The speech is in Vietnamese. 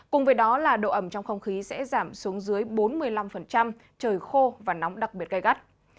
cùng với đó là độ ẩm trong không khí sẽ giảm xuống dưới bốn mươi năm trời khô và nóng đặc biệt gây gắt